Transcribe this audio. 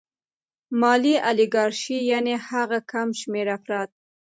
مالي الیګارشي یانې هغه کم شمېر افراد